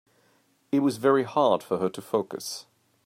It was very hard for her to focus.